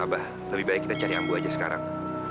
abah lebih baik kita cari ambu aja sekarang